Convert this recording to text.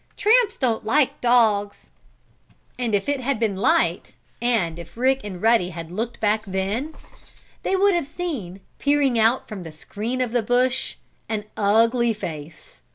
Tramps don't like dogs." And if it had been light, and if Rick and Ruddy had looked back then, they would have seen, peering out from the screen of the bush, an ugly face.